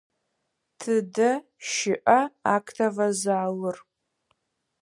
Тыдэ щыӏа актовэ залыр?